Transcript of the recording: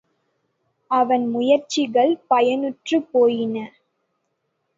அவன் முயற்சிகள் பயனற்றுப்போயின.